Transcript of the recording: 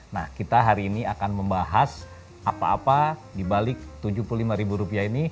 nah kita hari ini akan membahas apa apa dibalik rp tujuh puluh lima ini